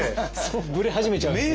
ぶれ始めちゃうんですね。